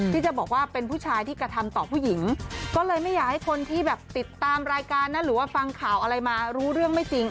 ที่จะบอกว่าเป็นผู้ชายที่กระทำต่อผู้หญิงก็เลยไม่อยากให้คนที่แบบติดตามรายการนะหรือว่าฟังข่าวอะไรมารู้เรื่องไม่จริง